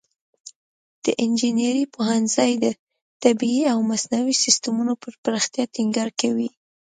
د انجینري پوهنځی د طبیعي او مصنوعي سیستمونو پر پراختیا ټینګار کوي.